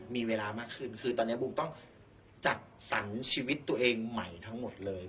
มีเวลามากขึ้นคือตอนนี้บูมต้องจัดสรรชีวิตตัวเองใหม่ทั้งหมดเลย